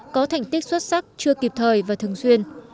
có thành tích xuất sắc chưa kịp thời và thường xuyên